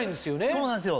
そうなんですよ。